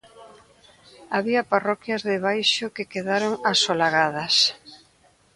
Había parroquias debaixo que quedaron asolagadas.